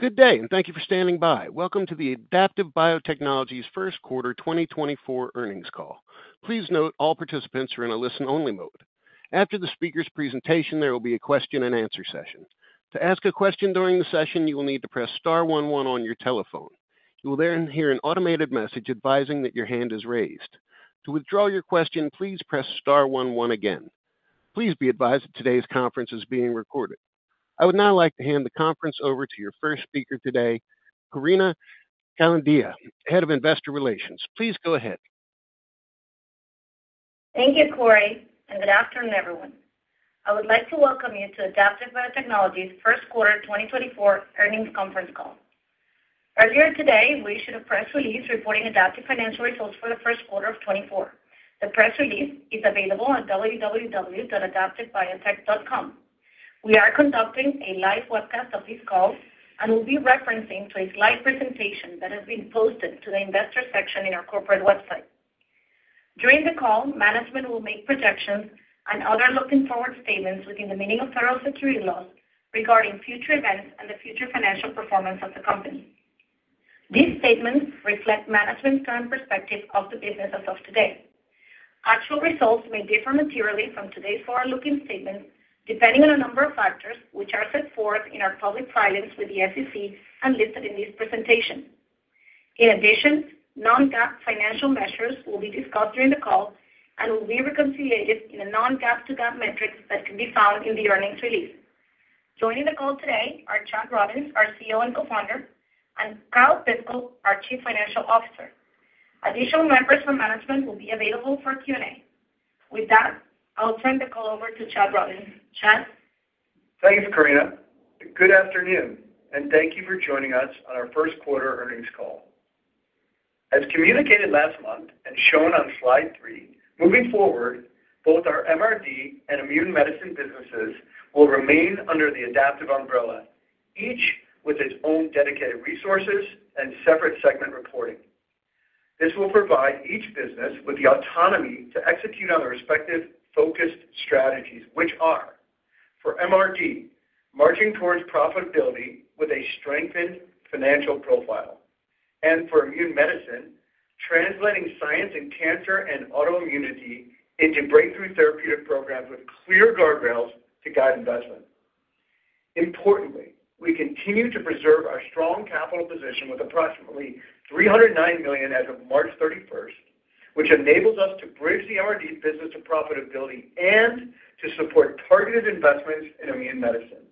Good day, and thank you for standing by. Welcome to the Adaptive Biotechnologies First Quarter 2024 Earnings Call. Please note all participants are in a listen-only mode. After the speaker's presentation, there will be a question-and-answer session. To ask a question during the session, you will need to press star one one on your telephone. You will then hear an automated message advising that your hand is raised. To withdraw your question, please press star one one again. Please be advised that today's conference is being recorded. I would now like to hand the conference over to your first speaker today, Karina Calzadilla, Head of Investor Relations. Please go ahead. Thank you, Corey, and good afternoon, everyone. I would like to welcome you to Adaptive Biotechnologies First Quarter 2024 Earnings Conference Call. Earlier today, we issued a press release reporting Adaptive financial results for the first quarter of 2024. The press release is available on www.adaptivebiotech.com. We are conducting a live webcast of this call and will be referencing to a slide presentation that has been posted to the investor section in our corporate website. During the call, management will make projections and other forward-looking statements within the meaning of federal securities laws regarding future events and the future financial performance of the company. These statements reflect management's current perspective of the business as of today. Actual results may differ materially from today's forward-looking statements, depending on a number of factors, which are set forth in our public filings with the SEC and listed in this presentation. In addition, non-GAAP financial measures will be discussed during the call and will be reconciled in a non-GAAP to GAAP metrics that can be found in the earnings release. Joining the call today are Chad Robins, our CEO and Co-founder, and Kyle Biscoe, our Chief Financial Officer. Additional members from management will be available for Q&A. With that, I'll turn the call over to Chad Robins. Chad? Thank you, Karina. Good afternoon, and thank you for joining us on our first quarter earnings call. As communicated last month and shown on slide 3, moving forward, both our MRD and immune medicine businesses will remain under the Adaptive umbrella, each with its own dedicated resources and separate segment reporting. This will provide each business with the autonomy to execute on their respective focused strategies, which are: for MRD, marching towards profitability with a strengthened financial profile, and for immune medicine, translating science and cancer and autoimmunity into breakthrough therapeutic programs with clear guardrails to guide investment. Importantly, we continue to preserve our strong capital position with approximately $309 million as of March 31, which enables us to bridge the MRD business to profitability and to support targeted investments in immune medicine.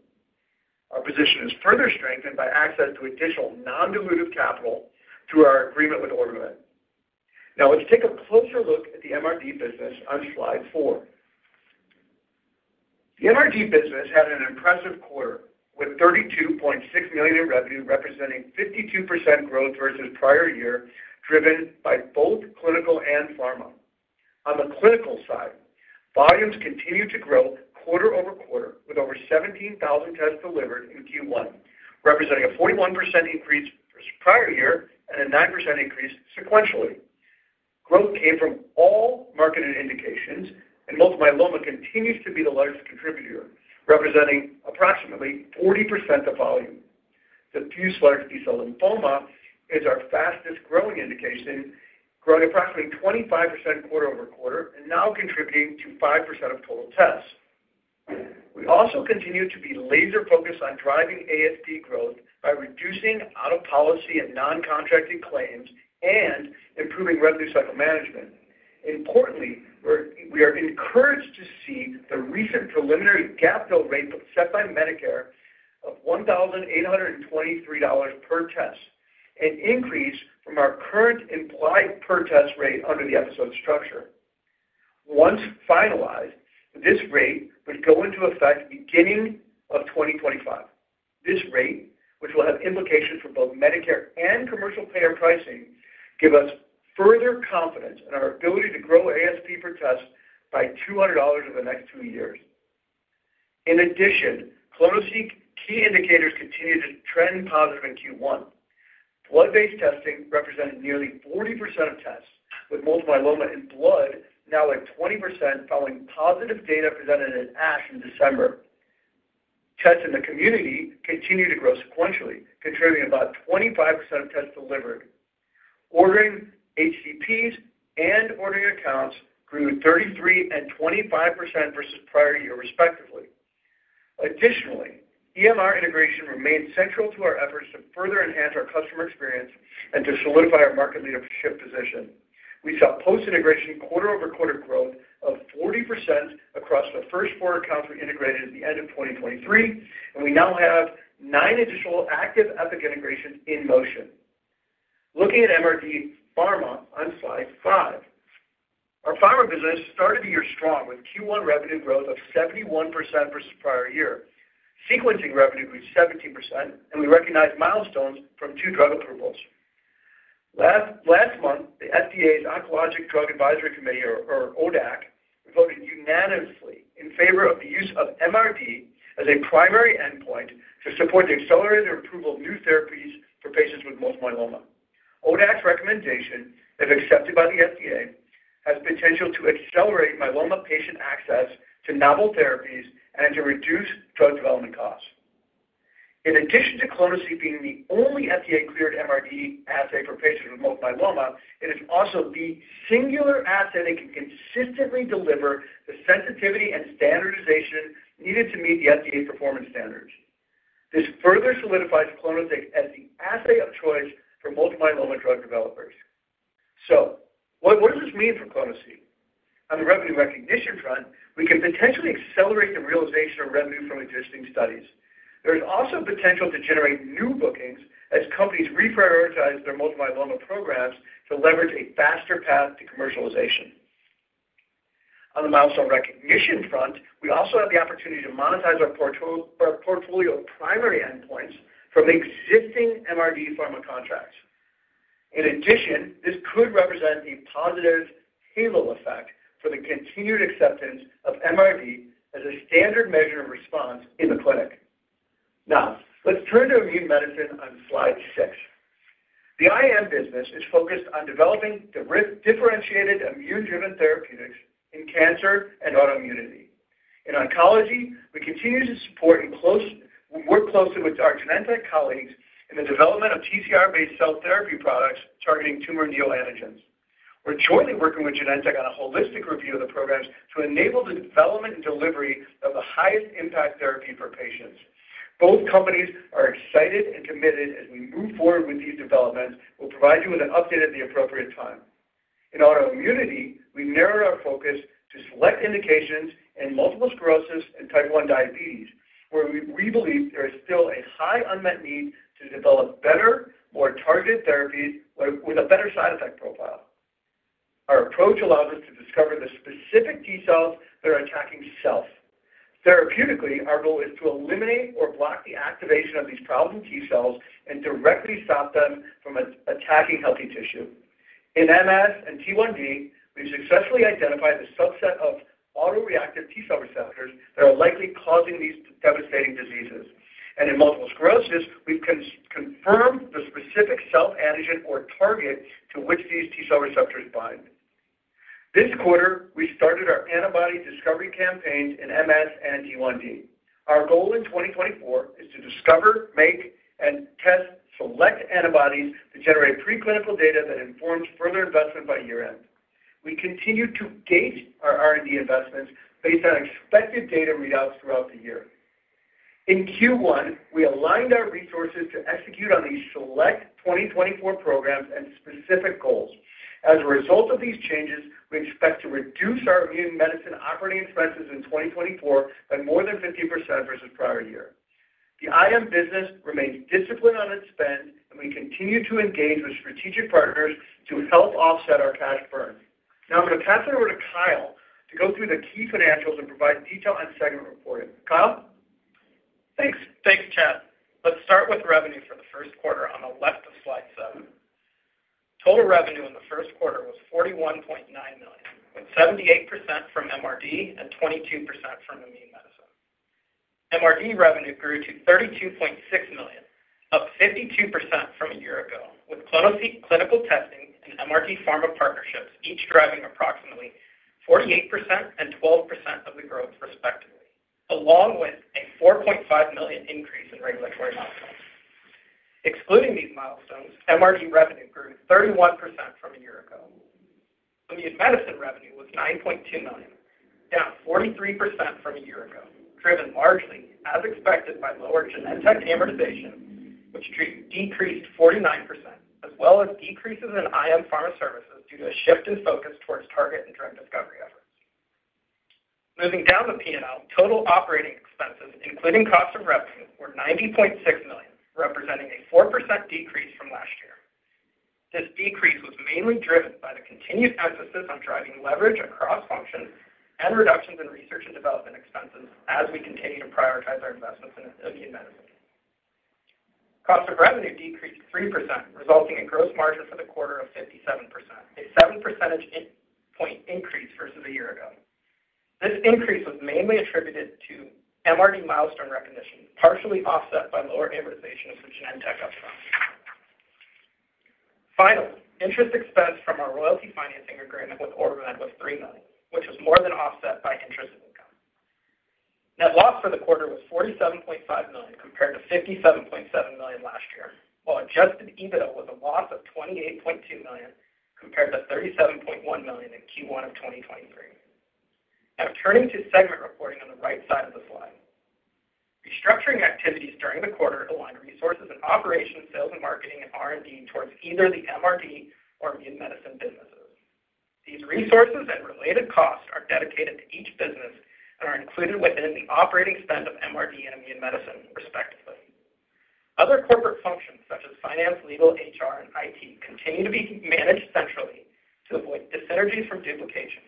Our position is further strengthened by access to additional non-dilutive capital through our agreement with OrbiMed. Now, let's take a closer look at the MRD business on slide 4. The MRD business had an impressive quarter, with $32.6 million in revenue, representing 52% growth versus prior year, driven by both clinical and pharma. On the clinical side, volumes continued to grow quarter-over-quarter, with over 17,000 tests delivered in Q1, representing a 41% increase versus prior year and a 9% increase sequentially. Growth came from all marketed indications, and multiple myeloma continues to be the largest contributor, representing approximately 40% of volume. Diffuse large B-cell lymphoma is our fastest-growing indication, growing approximately 25% quarter-over-quarter and now contributing to 5% of total tests. We also continue to be laser-focused on driving ASP growth by reducing out-of-policy and non-contracted claims and improving revenue cycle management. Importantly, we are encouraged to see the recent preliminary gap fill rate set by Medicare of $1,823 per test, an increase from our current implied per test rate under the episode structure. Once finalized, this rate would go into effect beginning of 2025. This rate, which will have implications for both Medicare and commercial payer pricing, give us further confidence in our ability to grow ASP per test by $200 over the next two years. In addition, clonoSEQ key indicators continued to trend positive in Q1. Blood-based testing represented nearly 40% of tests, with multiple myeloma in blood now at 20%, following positive data presented at ASH in December. Tests in the community continued to grow sequentially, contributing about 25% of tests delivered. Ordering HCPs and ordering accounts grew 33 and 25% versus prior year, respectively. Additionally, EMR integration remains central to our efforts to further enhance our customer experience and to solidify our market leadership position. We saw post-integration quarter-over-quarter growth of 40% across the first 4 accounts we integrated at the end of 2023, and we now have 9 additional active Epic integrations in motion. Looking at MRD pharma on slide 5. Our pharma business started the year strong, with Q1 revenue growth of 71% versus prior year. Sequencing revenue grew 17%, and we recognized milestones from 2 drug approvals. Last month, the FDA's Oncologic Drug Advisory Committee, or ODAC, voted unanimously in favor of the use of MRD as a primary endpoint to support the accelerated approval of new therapies for patients with multiple myeloma. ODAC's recommendation, if accepted by the FDA, has potential to accelerate myeloma patient access to novel therapies and to reduce drug development costs. In addition to clonoSEQ being the only FDA-cleared MRD assay for patients with multiple myeloma, it is also the singular assay that can consistently deliver the sensitivity and standardization needed to meet the FDA performance standards. This further solidifies clonoSEQ as the assay of choice for multiple myeloma drug developers. So what does this mean for clonoSEQ? On the revenue recognition front, we can potentially accelerate the realization of revenue from existing studies. There is also potential to generate new bookings as companies reprioritize their multiple myeloma programs to leverage a faster path to commercialization. On the milestone recognition front, we also have the opportunity to monetize our portfolio of primary endpoints from existing MRD pharma contracts. In addition, this could represent a positive halo effect for the continued acceptance of MRD as a standard measure of response in the clinic. Now, let's turn to immune medicine on slide six. The IM business is focused on developing the differentiated, immune-driven therapeutics in cancer and autoimmunity. In oncology, we continue to support we work closely with our Genentech colleagues in the development of TCR-based cell therapy products targeting tumor neoantigens. We're jointly working with Genentech on a holistic review of the programs to enable the development and delivery of the highest impact therapy for patients. Both companies are excited and committed as we move forward with these developments. We'll provide you with an update at the appropriate time. In autoimmunity, we narrowed our focus to select indications in multiple sclerosis and type one diabetes, where we believe there is still a high unmet need to develop better, more targeted therapies with a better side effect profile. Our approach allows us to discover the specific T cells that are attacking self. Therapeutically, our goal is to eliminate or block the activation of these problem T cells and directly stop them from attacking healthy tissue. In MS and T1D, we've successfully identified the subset of autoreactive T cell receptors that are likely causing these devastating diseases, and in multiple sclerosis, we've confirmed the specific self-antigen or target to which these T cell receptors bind. This quarter, we started our antibody discovery campaigns in MS and T1D. Our goal in 2024 is to discover, make, and test select antibodies to generate preclinical data that informs further investment by year-end. We continue to gauge our R&D investments based on expected data readouts throughout the year. In Q1, we aligned our resources to execute on these select 2024 programs and specific goals. As a result of these changes, we expect to reduce our immune medicine operating expenses in 2024 by more than 50% versus prior year. The IM business remains disciplined on its spend, and we continue to engage with strategic partners to help offset our cash burn. Now, I'm gonna pass it over to Kyle to go through the key financials and provide detail on segment reporting. Kyle? Thanks. Thanks, Chad. Let's start with revenue for the first quarter on the left of slide 7. Total revenue in the first quarter was $41.9 million, with 78% from MRD and 22% from immune medicine. MRD revenue grew to $32.6 million, up 52% from a year ago, with clonoSEQ clinical testing and MRD pharma partnerships each driving approximately 48% and 12% of the growth, respectively, along with a $4.5 million increase in regulatory milestones. Excluding these milestones, MRD revenue grew 31% from a year ago. Immune medicine revenue was $9.2 million, down 43% from a year ago, driven largely, as expected, by lower Genentech amortization, which decreased 49%, as well as decreases in IM pharma services due to a shift in focus towards target and drug discovery efforts. Moving down the P&L, total operating expenses, including cost of revenue, were $90.6 million, representing a 4% decrease from last year. This decrease was mainly driven by the continued emphasis on driving leverage across functions and reductions in research and development expenses as we continue to prioritize our investments in immune medicine. Cost of revenue decreased 3%, resulting in gross margins for the quarter of 57%, a 7 percentage point increase versus a year ago. This increase was mainly attributed to MRD milestone recognition, partially offset by lower amortization from Genentech upfront. Finally, interest expense from our royalty financing agreement with OrbiMed was $3 million, which was more than offset by interest income. Net loss for the quarter was $47.5 million, compared to $57.7 million last year, while Adjusted EBITDA was a loss of $28.2 million, compared to $37.1 million in Q1 of 2023. Now turning to segment reporting on the right side of the slide. Restructuring activities during the quarter aligned resources in operations, sales and marketing, and R&D towards either the MRD or immune medicine businesses. These resources and related costs are dedicated to each business and are included within the operating spend of MRD and immune medicine, respectively. Other corporate functions, such as finance, legal, HR, and IT, continue to be managed centrally to avoid dyssynergies from duplication.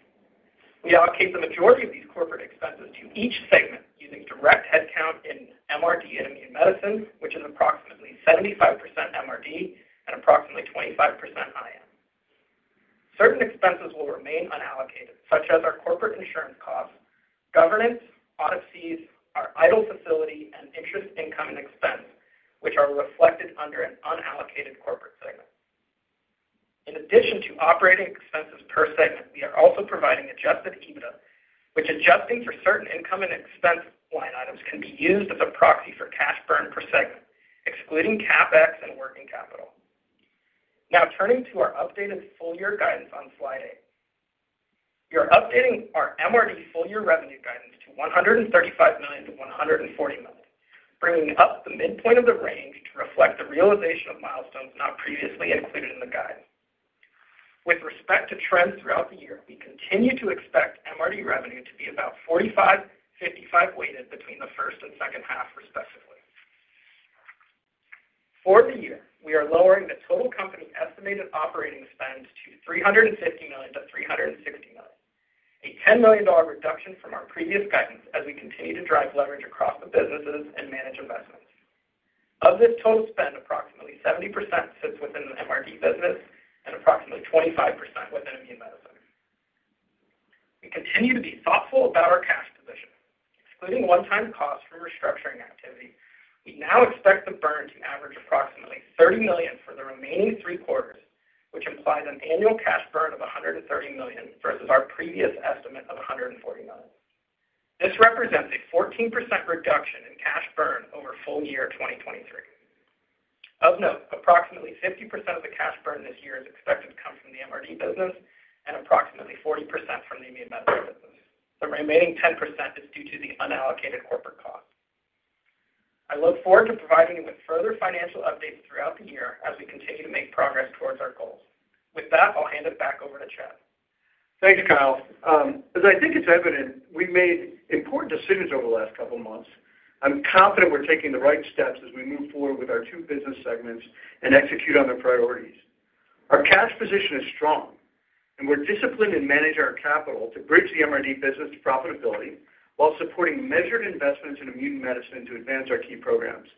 We allocate the majority of these corporate expenses to each segment using direct headcount in MRD and immune medicine, which is approximately 75% MRD and approximately 25% IM.... Certain expenses will remain unallocated, such as our corporate insurance costs, governance, audit fees, our idle facility, and interest income and expense, which are reflected under an unallocated corporate segment. In addition to operating expenses per segment, we are also providing Adjusted EBITDA, which, adjusting for certain income and expense line items, can be used as a proxy for cash burn per segment, excluding CapEx and working capital. Now turning to our updated full-year guidance on Slide 8. We are updating our MRD full-year revenue guidance to $135 million-$140 million, bringing up the midpoint of the range to reflect the realization of milestones not previously included in the guide. With respect to trends throughout the year, we continue to expect MRD revenue to be about 45-55 weighted between the first and second half, respectively. For the year, we are lowering the total company estimated operating spend to $350 million-$360 million, a $10 million reduction from our previous guidance as we continue to drive leverage across the businesses and manage investments. Of this total spend, approximately 70% sits within the MRD business and approximately 25% within immune medicine. We continue to be thoughtful about our cash position, excluding one-time costs from restructuring activity, we now expect the burn to average approximately $30 million for the remaining three quarters, which implies an annual cash burn of $130 million versus our previous estimate of $140 million. This represents a 14% reduction in cash burn over full year 2023. Of note, approximately 50% of the cash burn this year is expected to come from the MRD business and approximately 40% from the immune medicine business. The remaining 10% is due to the unallocated corporate costs. I look forward to providing you with further financial updates throughout the year as we continue to make progress towards our goals. With that, I'll hand it back over to Chad. Thanks, Kyle. As I think it's evident, we've made important decisions over the last couple of months. I'm confident we're taking the right steps as we move forward with our two business segments and execute on the priorities. Our cash position is strong, and we're disciplined in managing our capital to bridge the MRD business to profitability while supporting measured investments in immune medicine to advance our key programs.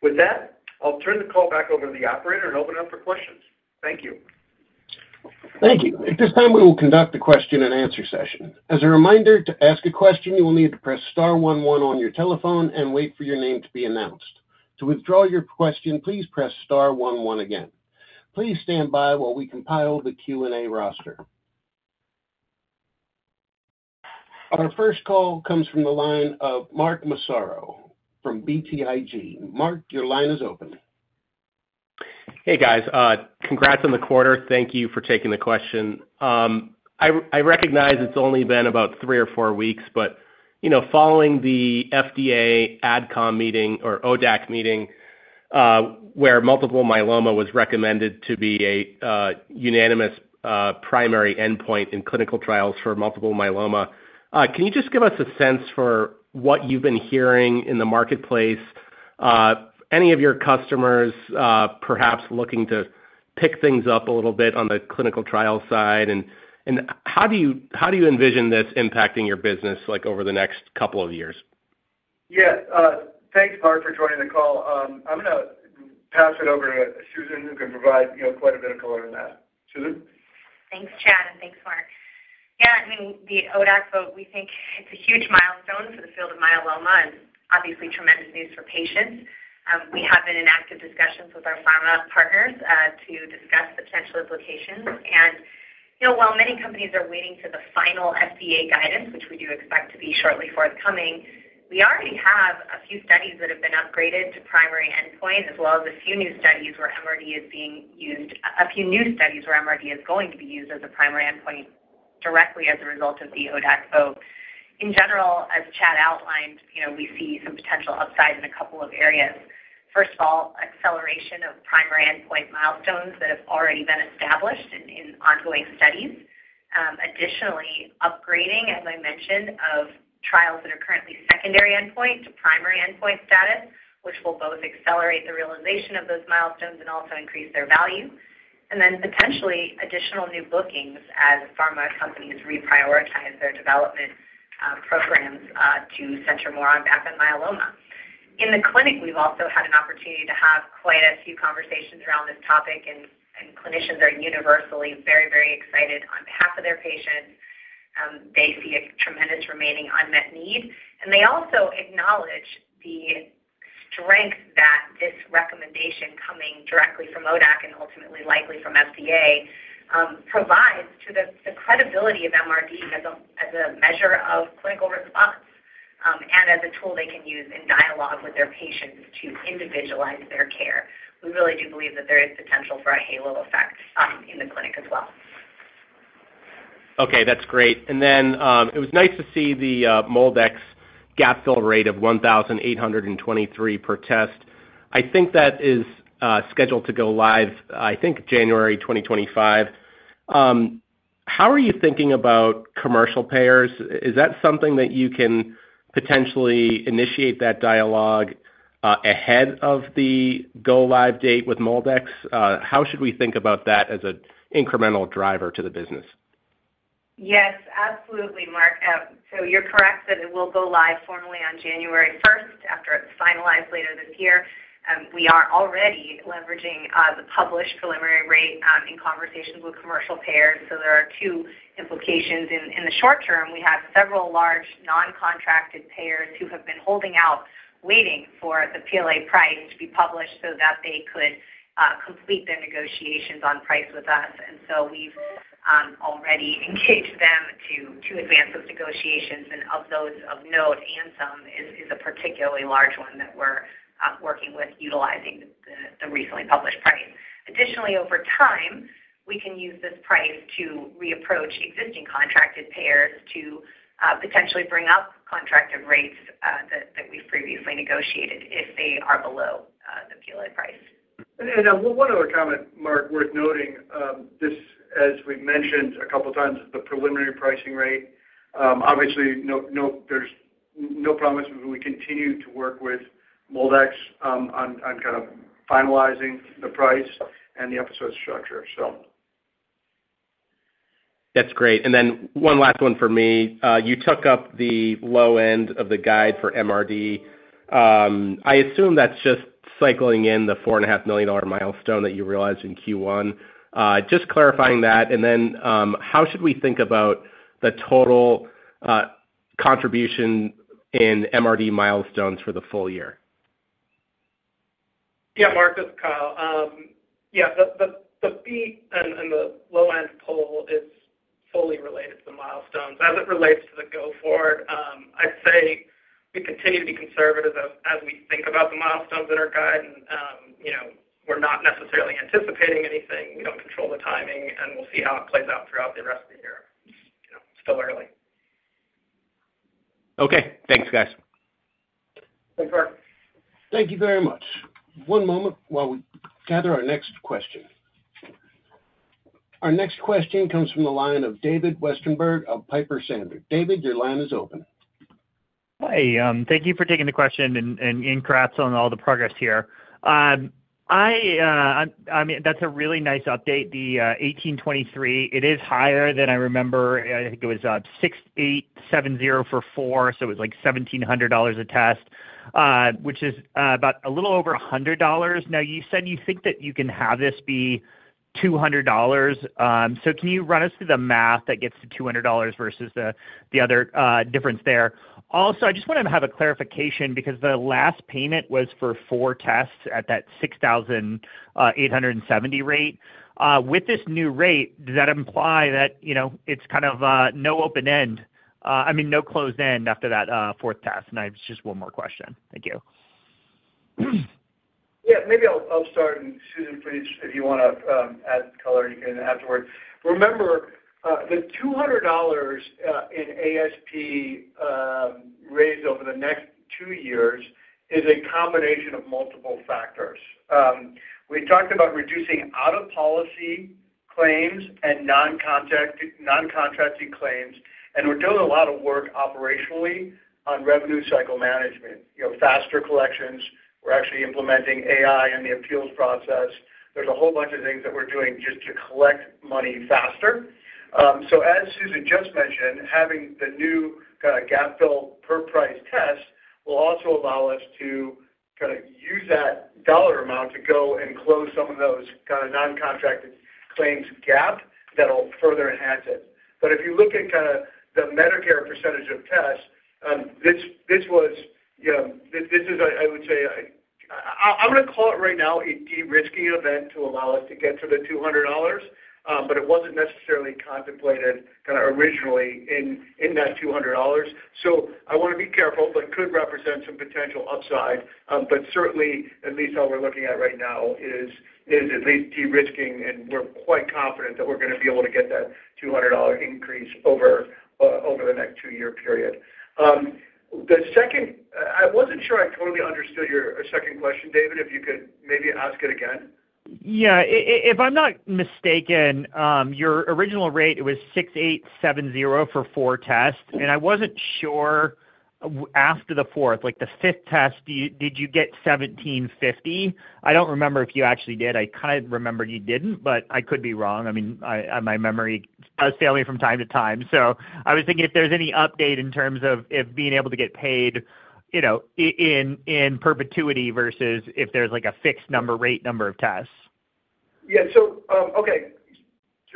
With that, I'll turn the call back over to the operator and open up for questions. Thank you. Thank you. At this time, we will conduct a question-and-answer session. As a reminder, to ask a question, you will need to press star one, one on your telephone and wait for your name to be announced. To withdraw your question, please press star one, one again. Please stand by while we compile the Q&A roster. Our first call comes from the line of Mark Massaro from BTIG. Mark, your line is open. Hey, guys, congrats on the quarter. Thank you for taking the question. I recognize it's only been about three or four weeks, but, you know, following the FDA AdCom meeting or ODAC meeting, where multiple myeloma was recommended to be a unanimous primary endpoint in clinical trials for multiple myeloma, can you just give us a sense for what you've been hearing in the marketplace, any of your customers perhaps looking to pick things up a little bit on the clinical trial side? And how do you envision this impacting your business, like, over the next couple of years? Yeah, thanks, Mark, for joining the call. I'm going to pass it over to Susan, who can provide, you know, quite a bit of color on that. Susan? Thanks, Chad, and thanks, Mark. Yeah, I mean, the ODAC vote, we think it's a huge milestone for the field of myeloma and obviously tremendous news for patients. We have been in active discussions with our pharma partners to discuss the potential implications. And, you know, while many companies are waiting for the final FDA guidance, which we do expect to be shortly forthcoming, we already have a few studies that have been upgraded to primary endpoint, as well as a few new studies where MRD is going to be used as a primary endpoint directly as a result of the ODAC vote. In general, as Chad outlined, you know, we see some potential upside in a couple of areas. First of all, acceleration of primary endpoint milestones that have already been established in ongoing studies. Additionally, upgrading, as I mentioned, of trials that are currently secondary endpoint to primary endpoint status, which will both accelerate the realization of those milestones and also increase their value, and then potentially additional new bookings as pharma companies reprioritize their development, programs, to center more on MM myeloma. In the clinic, we've also had an opportunity to have quite a few conversations around this topic, and, and clinicians are universally very, very excited on behalf of their patients. They see a tremendous remaining unmet need, and they also acknowledge the strength that this recommendation coming directly from ODAC and ultimately likely from FDA, provides to the, the credibility of MRD as a, as a measure of clinical response, and as a tool they can use in dialogue with their patients to individualize their care. We really do believe that there is potential for a halo effect, in the clinic as well. Okay, that's great. And then, it was nice to see the MolDX gapfill rate of 1,823 per test. I think that is scheduled to go live, I think, January 2025. How are you thinking about commercial payers? Is that something that you can potentially initiate that dialogue ahead of the go live date with MolDX? How should we think about that as an incremental driver to the business?... Yes, absolutely, Mark. So you're correct that it will go live formally on January first, after it's finalized later this year. We are already leveraging the published preliminary rate in conversations with commercial payers. So there are two implications. In the short term, we have several large non-contracted payers who have been holding out, waiting for the PLA price to be published so that they could complete their negotiations on price with us. And so we've already engaged them to advance those negotiations, and of those of note, Anthem is a particularly large one that we're working with, utilizing the recently published price. Additionally, over time, we can use this price to reapproach existing contracted payers to potentially bring up contracted rates that we've previously negotiated if they are below the PLA price. And one other comment, Mark, worth noting, this, as we've mentioned a couple times, is the preliminary pricing rate. Obviously, there's no promise. We continue to work with MolDX on kind of finalizing the price and the episode structure, so. That's great. And then one last one for me. You took up the low end of the guide for MRD. I assume that's just cycling in the $4.5 million milestone that you realized in Q1. Just clarifying that, and then, how should we think about the total contribution in MRD milestones for the full year? Yeah, Mark, it's Kyle. Yeah, the beat and the low-end pull is fully related to the milestones. As it relates to the going forward, I'd say we continue to be conservative as we think about the milestones in our guide. And, you know, we're not necessarily anticipating anything, we don't control the timing, and we'll see how it plays out throughout the rest of the year. You know, it's still early. Okay. Thanks, guys. Thanks, Mark. Thank you very much. One moment while we gather our next question. Our next question comes from the line of David Westenberg of Piper Sandler. David, your line is open. Hi, thank you for taking the question, and congrats on all the progress here. I mean, that's a really nice update, the $1,823. It is higher than I remember. I think it was $6,870 for 4, so it was like $1,700 a test, which is about a little over $100. Now, you said you think that you can have this be $200, so can you run us through the math that gets to $200 versus the other difference there? Also, I just wanted to have a clarification, because the last payment was for 4 tests at that $6,870 rate. With this new rate, does that imply that, you know, it's kind of no open end, I mean, no closed end after that fourth test? And I have just one more question. Thank you. Yeah, maybe I'll, I'll start, and Susan, please, if you wanna add color, you can afterwards. Remember, the $200 in ASP raised over the next two years is a combination of multiple factors. We talked about reducing out-of-policy claims and non-contact, non-contracting claims, and we're doing a lot of work operationally on revenue cycle management, you know, faster collections. We're actually implementing AI in the appeals process. There's a whole bunch of things that we're doing just to collect money faster. So as Susan just mentioned, having the new gap fill per price test will also allow us to kinda use that dollar amount to go and close some of those kind of non-contracted claims gap that'll further enhance it. But if you look at kinda the Medicare percentage of tests, this was, you know, this is, I would say, I'm gonna call it right now a de-risking event to allow us to get to the $200, but it wasn't necessarily contemplated kinda originally in that $200. So I wanna be careful, but could represent some potential upside. But certainly, at least all we're looking at right now is at least de-risking, and we're quite confident that we're gonna be able to get that $200 increase over the next two-year period. The second, I wasn't sure I totally understood your second question, David, if you could maybe ask it again. Yeah. If I'm not mistaken, your original rate was $6,870 for 4 tests, and I wasn't sure after the fourth, like the 5th test, did you get $1,750? I don't remember if you actually did. I kind of remembered you didn't, but I could be wrong. I mean, my memory does fail me from time to time. So I was thinking if there's any update in terms of if being able to get paid, you know, in perpetuity versus if there's like a fixed number, rate number of tests. Yeah. So, okay.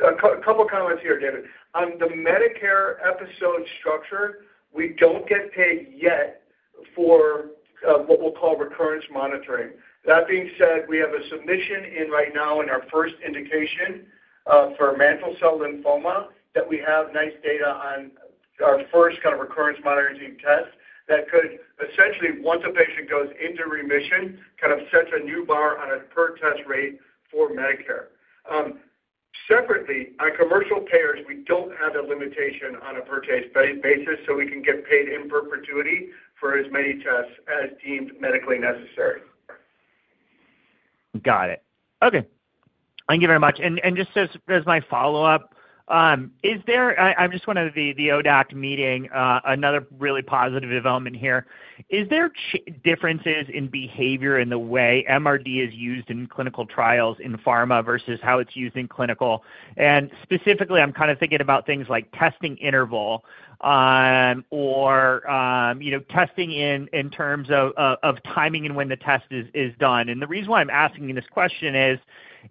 A couple comments here, David. On the Medicare episode structure, we don't get paid yet for what we'll call recurrence monitoring. That being said, we have a submission in right now in our first indication for mantle cell lymphoma, that we have nice data on our first kind of recurrence monitoring test that could essentially, once a patient goes into remission, kind of sets a new bar on a per test rate for Medicare. Separately, on commercial payers, we don't have a limitation on a per test basis, so we can get paid in perpetuity for as many tests as deemed medically necessary.... Got it. Okay, thank you very much. And just as my follow-up, the ODAC meeting another really positive development here. Is there differences in behavior in the way MRD is used in clinical trials in pharma versus how it's used in clinical? And specifically, I'm kind of thinking about things like testing interval, or you know, testing in terms of timing and when the test is done. And the reason why I'm asking you this question is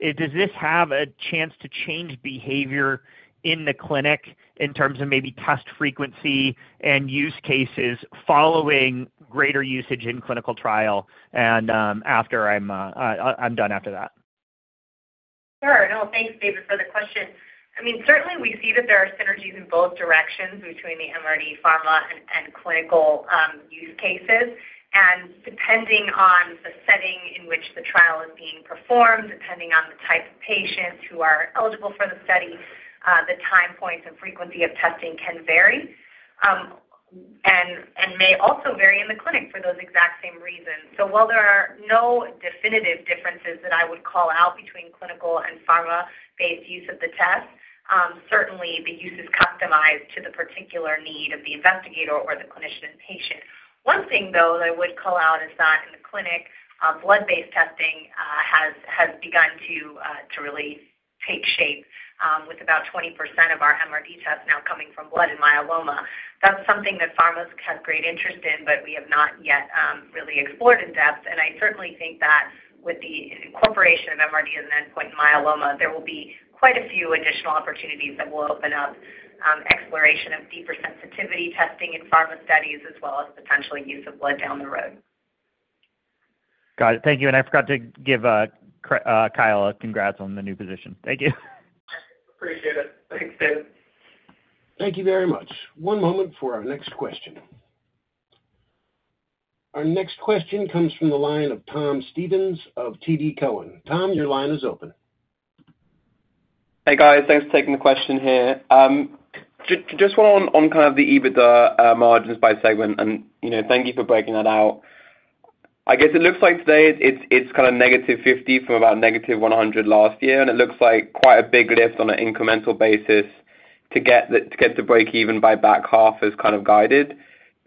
does this have a chance to change behavior in the clinic in terms of maybe test frequency and use cases following greater usage in clinical trial? And after I'm done after that. Sure. No, thanks, David, for the question. I mean, certainly we see that there are synergies in both directions between the MRD pharma and clinical use cases. And depending on the setting in which the trial is being performed, depending on the type of patients who are eligible for the study, the time points and frequency of testing can vary, and may also vary in the clinic for those exact same reasons. So while there are no definitive differences that I would call out between clinical and pharma-based use of the test, certainly the use is customized to the particular need of the investigator or the clinician and patient. One thing, though, that I would call out is that in the clinic, blood-based testing has begun to really take shape with about 20% of our MRD tests now coming from blood and myeloma. That's something that pharmas have great interest in, but we have not yet really explored in depth, and I certainly think that with the incorporation of MRD as an endpoint in myeloma, there will be quite a few additional opportunities that will open up exploration of deeper sensitivity testing in pharma studies, as well as potentially use of blood down the road. Got it. Thank you. And I forgot to give Kyle a congrats on the new position. Thank you. Appreciate it. Thanks, David. Thank you very much. One moment for our next question. Our next question comes from the line of Tom Stevens of TD Cowen. Tom, your line is open. Hey, guys. Thanks for taking the question here. Just one on, on kind of the EBITDA, margins by segment, and, you know, thank you for breaking that out. I guess it looks like today it's, it's kind of -50% from about -100% last year, and it looks like quite a big lift on an incremental basis to get to breakeven by back half as kind of guided.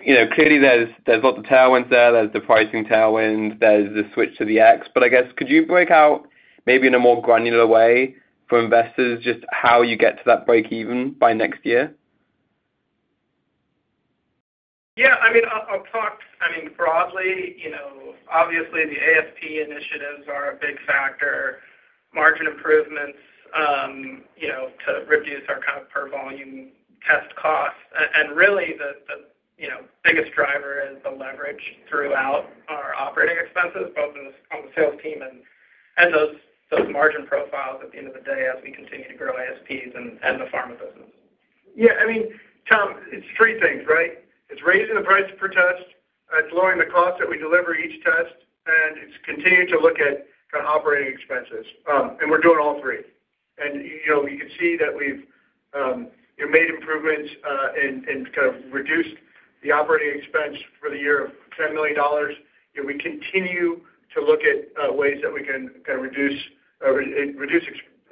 You know, clearly there's, there's a lot of tailwinds there. There's the pricing tailwind, there's the switch to the X. But I guess, could you break out, maybe in a more granular way for investors, just how you get to that breakeven by next year? Yeah, I mean, I'll talk, I mean, broadly, you know, obviously the ASP initiatives are a big factor, margin improvements, you know, to reduce our kind of per volume test costs. And really, the biggest driver is the leverage throughout our operating expenses, both on the sales team and those margin profiles at the end of the day as we continue to grow ASPs and the pharma business. Yeah, I mean, Tom, it's three things, right? It's raising the price per test, it's lowering the cost that we deliver each test, and it's continuing to look at kind of operating expenses. And we're doing all three. And, you know, you can see that we've, you know, made improvements, and kind of reduced the operating expense for the year of $10 million. And we continue to look at ways that we can kind of reduce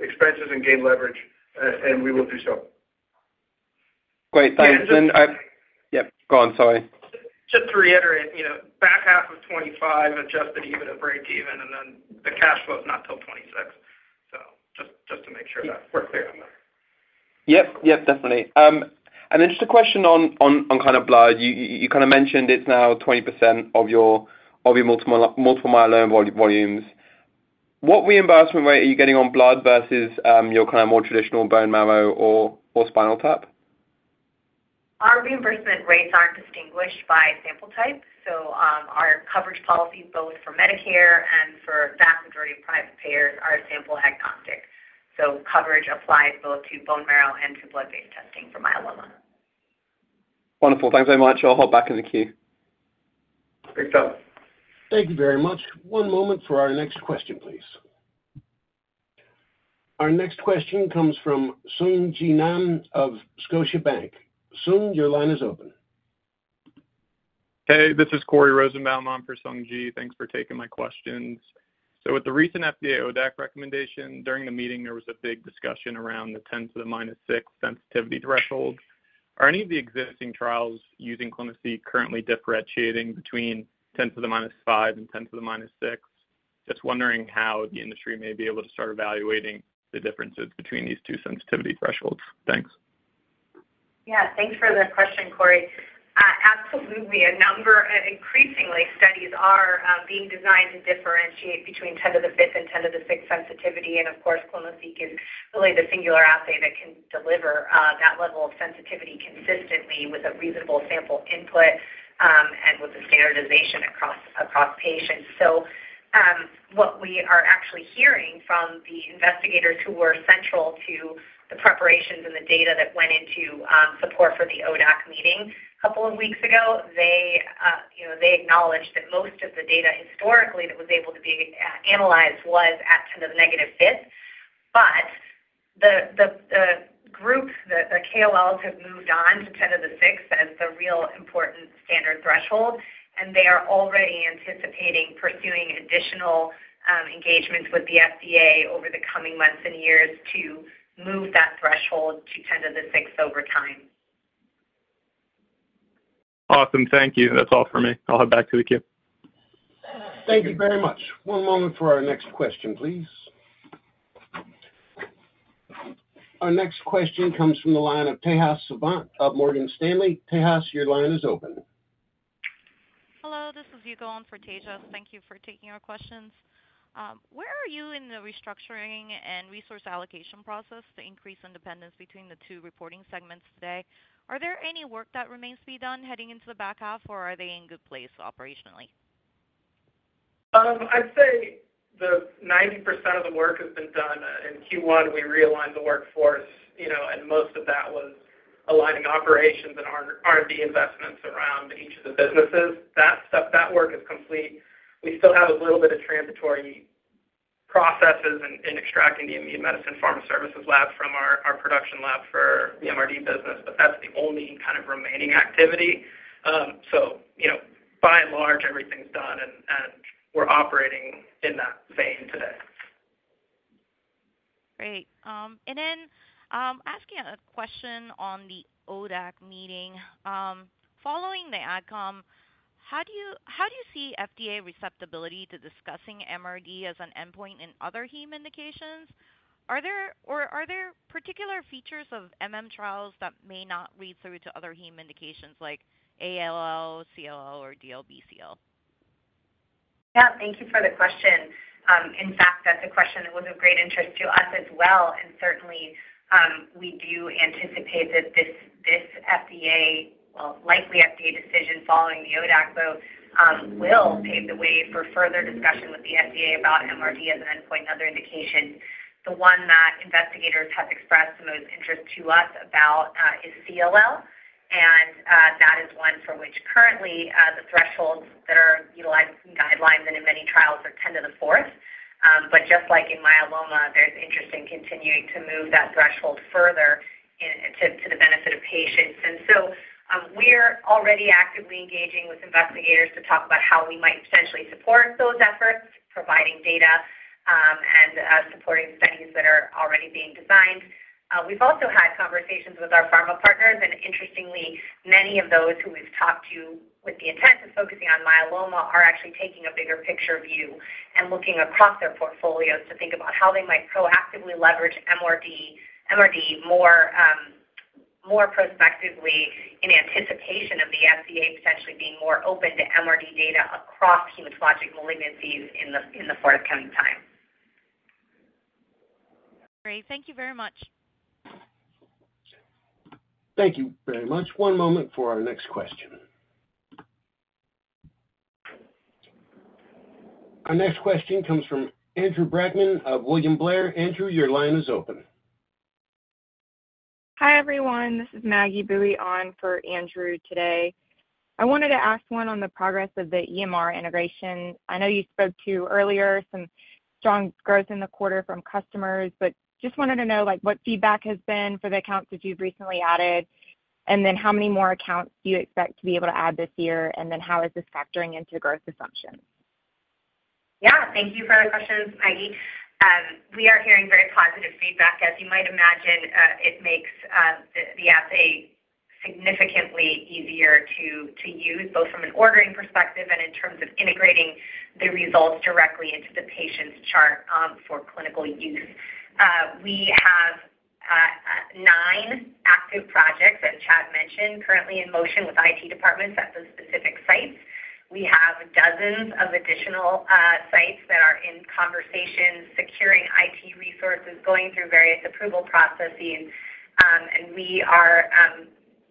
expenses and gain leverage, and we will do so. Great. Thanks. And I- Yeah. Yep, go on. Sorry. Just to reiterate, you know, back half of 2025, Adjusted EBITDA breakeven, and then the cash flow is not till 2026. So just, just to make sure that we're clear on that. Yep. Yep, definitely. And then just a question on kind of blood. You kind of mentioned it's now 20% of your multiple myeloma volumes. What reimbursement rate are you getting on blood versus your kind of more traditional bone marrow or spinal tap? Our reimbursement rates aren't distinguished by sample type, so, our coverage policies, both for Medicare and for vast majority of private payers, are sample agnostic. Coverage applies both to bone marrow and to blood-based testing for myeloma. Wonderful. Thanks very much. I'll hop back in the queue. Thanks, Tom. Thank you very much. One moment for our next question, please. Our next question comes from Sung Ji Nam of Scotiabank. Sung, your line is open. Hey, this is Corey Rosenbaum on for Sung Ji. Thanks for taking my questions. So with the recent FDA ODAC recommendation, during the meeting, there was a big discussion around the 10 to the minus 6 sensitivity threshold. Are any of the existing trials using clonoSEQ currently differentiating between 10 to the minus 5 and 10 to the minus 6? Just wondering how the industry may be able to start evaluating the differences between these two sensitivity thresholds. Thanks. Yeah, thanks for the question, Corey. Absolutely. A number, increasingly, studies are being designed to differentiate between 10^5 and 10^6 sensitivity. And of course, clonoSEQ is really the singular assay that can deliver that level of sensitivity consistently with a reasonable sample input, and with the standardization across, across patients. So, what we are actually hearing from the investigators who were central to the preparations and the data that went into, support for the ODAC meeting a couple of weeks ago, they, you know, they acknowledged that most of the data historically that was able to be, analyzed was at 10 to the negative fifth....KOLs have moved on to 10 to the sixth as the real important standard threshold, and they are already anticipating pursuing additional, engagements with the FDA over the coming months and years to move that threshold to 10 to the sixth over time. Awesome. Thank you. That's all for me. I'll head back to the queue. Thank you very much. One moment for our next question, please. Our next question comes from the line of Tejas Savant of Morgan Stanley. Tejas, your line is open. Hello, this is Hugo on for Tejas. Thank you for taking our questions. Where are you in the restructuring and resource allocation process to increase independence between the two reporting segments today? Are there any work that remains to be done heading into the back half, or are they in good place operationally? I'd say 90% of the work has been done. In Q1, we realigned the workforce, you know, and most of that was aligning operations and R&D investments around each of the businesses. That stuff, that work is complete. We still have a little bit of transitory processes in extracting the Immune Medicine Pharma Services lab from our production lab for the MRD business, but that's the only kind of remaining activity. So, you know, by and large, everything's done and we're operating in that vein today. Great. And then, asking a question on the ODAC meeting. Following the outcome, how do you, how do you see FDA receptivity to discussing MRD as an endpoint in other heme indications? Are there or are there particular features of MM trials that may not read through to other heme indications like ALL, CLL, or DLBCL? Yeah, thank you for the question. In fact, that's a question that was of great interest to us as well, and certainly, we do anticipate that this FDA, well, likely FDA decision following the ODAC, though, will pave the way for further discussion with the FDA about MRD as an endpoint and other indications. The one that investigators have expressed the most interest to us about is CLL, and that is one for which currently the thresholds that are utilized in guidelines and in many trials are 10 to the fourth. But just like in myeloma, there's interest in continuing to move that threshold further in to the benefit of patients. And so, we're already actively engaging with investigators to talk about how we might potentially support those efforts, providing data, and supporting studies that are already being designed. We've also had conversations with our pharma partners, and interestingly, many of those who we've talked to with the intent of focusing on myeloma are actually taking a bigger picture view and looking across their portfolios to think about how they might proactively leverage MRD, MRD more, more prospectively in anticipation of the FDA potentially being more open to MRD data across hematologic malignancies in the forthcoming time. Great. Thank you very much. Thank you very much. One moment for our next question. Our next question comes from Andrew Brackman of William Blair. Andrew, your line is open. Hi, everyone. This is Maggie Boeye on for Andrew today. I wanted to ask one on the progress of the EMR integration. I know you spoke to earlier some strong growth in the quarter from customers, but just wanted to know, like, what feedback has been for the accounts that you've recently added, and then how many more accounts do you expect to be able to add this year, and then how is this factoring into growth assumptions? Yeah, thank you for the questions, Maggie. We are hearing very positive feedback. As you might imagine, it makes the assay significantly easier to use, both from an ordering perspective and in terms of integrating the results directly into the patient's chart, for clinical use. We have nine active projects that Chad mentioned currently in motion with IT departments at the specific sites. We have dozens of additional sites that are in conversations, securing IT resources, going through various approval processes, and we are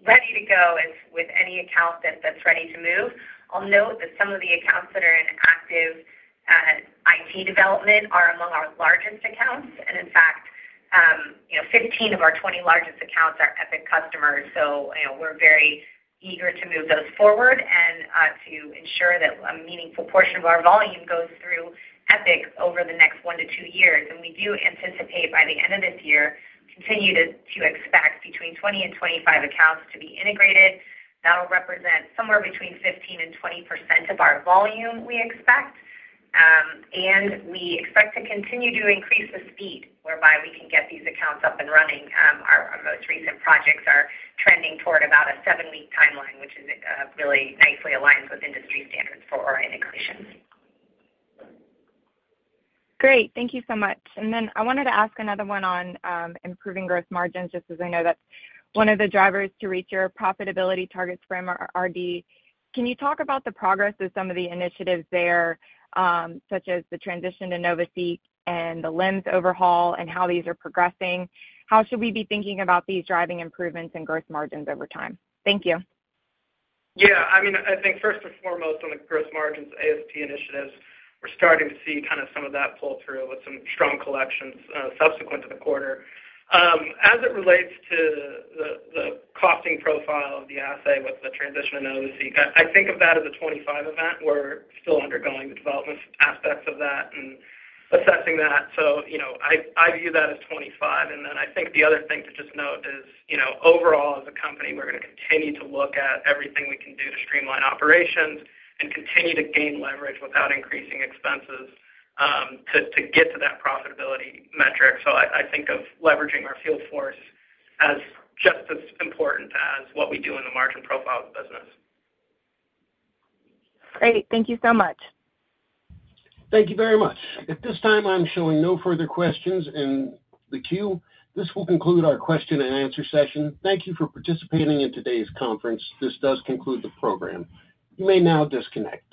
ready to go with any account that's ready to move. I'll note that some of the accounts that are in active IT development are among our largest accounts, and in fact, you know, 15 of our 20 largest accounts are Epic customers. So, you know, we're very eager to move those forward and to ensure that a meaningful portion of our volume goes through Epic over the next 1-2 years. And we do anticipate, by the end of this year, continue to expect between 20 and 25 accounts to be integrated. That'll represent somewhere between 15% and 20% of our volume, we expect. And we expect to continue to increase the speed whereby we can get these accounts up and running. Our most recent projects are trending toward about a 7-week timeline, which is really nicely aligns with industry standards for our integrations. Great. Thank you so much. And then I wanted to ask another one on improving growth margins, just as I know that's one of the drivers to reach your profitability targets for MRD. Can you talk about the progress of some of the initiatives there, such as the transition to NovaSeq and the LIMS overhaul and how these are progressing? How should we be thinking about these driving improvements in growth margins over time? Thank you. Yeah, I mean, I think first and foremost, on the growth margins, ASP initiatives, we're starting to see kind of some of that pull through with some strong collections subsequent to the quarter. As it relates to the costing profile of the assay with the transition to NovaSeq, I think of that as a 25 event. We're still undergoing the development aspects of that and assessing that. So, you know, I view that as 25, and then I think the other thing to just note is, you know, overall as a company, we're going to continue to look at everything we can do to streamline operations and continue to gain leverage without increasing expenses to get to that profitability metric. I think of leveraging our field force as just as important as what we do in the margin profile of the business. Great. Thank you so much. Thank you very much. At this time, I'm showing no further questions in the queue. This will conclude our question and answer session. Thank you for participating in today's conference. This does conclude the program. You may now disconnect.